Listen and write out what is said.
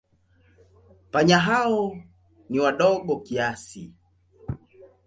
Panya hao ni wadogo kiasi.